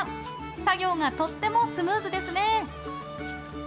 作業がとてもスムーズですね！